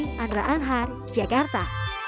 sandra anhar jakarta